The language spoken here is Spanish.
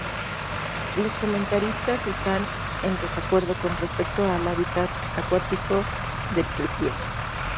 Los comentaristas están en desacuerdo con respecto al hábitat acuático del kelpie.